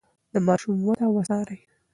د ماشوم وده وڅارئ.